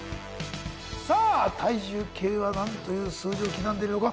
さあ体重計は何という数字を刻んでいるのか？